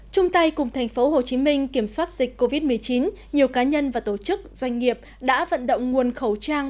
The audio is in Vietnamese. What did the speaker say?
trung tay cùng tp hcm kiểm soát dịch covid một mươi chín nhiều cá nhân và tổ chức doanh nghiệp đã vận động nguồn khẩu trang